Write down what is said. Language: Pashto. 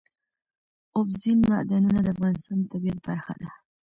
اوبزین معدنونه د افغانستان د طبیعت برخه ده.